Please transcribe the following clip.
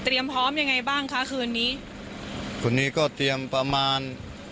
พร้อมยังไงบ้างคะคืนนี้คนนี้ก็เตรียมประมาณ